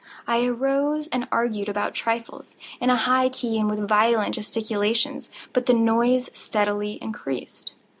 I arose and argued about trifles, in a high key and with violent gesticulations; but the noise steadily increased.